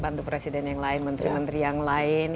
bantu presiden yang lain menteri menteri yang lain